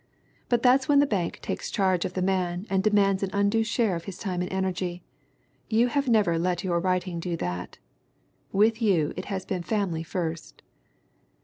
But that's when the bank takes charge of the man and demands an undue share of his time and energy. You have never let your writing do that. With you it has been family first